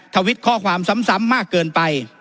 ทวิตข้อความซ้ำมากเกินไป